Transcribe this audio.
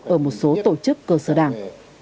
ở một số tổ chức cơ sở đảng